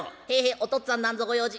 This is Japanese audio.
お父っつぁんなんぞご用事。